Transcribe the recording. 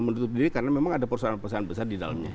menutup diri karena memang ada persoalan persoalan besar di dalamnya